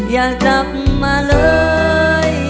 อยากจับมาเลย